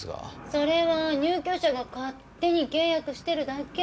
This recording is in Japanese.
それは入居者が勝手に契約してるだけ。